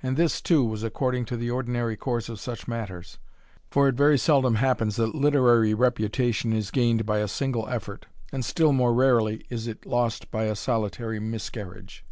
And this, too, was according to the ordinary course of such matters; for it very seldom happens that literary reputation is gained by a single effort, and still more rarely is it lost by a solitary miscarriage.